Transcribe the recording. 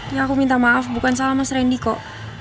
ya aku minta maaf bukan salah mas randy kok